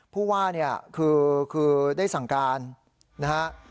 ผู้ว่าเนี่ยคือได้สั่งการนะฮะ